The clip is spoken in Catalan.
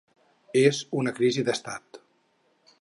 És una crisi d’estat.